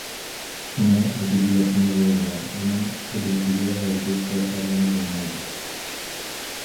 شۇڭا ئەدەبىياتنىڭ رولىغا، ئۇنىڭ قۇدرىتىگە ھەرگىز سەل قارىغىلى بولمايدۇ.